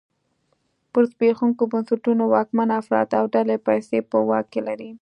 پر زبېښونکو بنسټونو واکمن افراد او ډلې پیسې په واک کې لري.